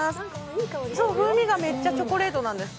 風味がめっちゃチョコレートなんです。